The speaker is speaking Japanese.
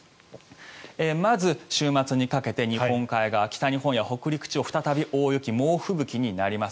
まず、週末にかけて日本海側北日本や北陸地方再び大雪、猛吹雪になります。